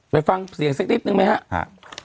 เฟย์ฟังเสียงสักนิดหนึ่งไหมฮะฮะ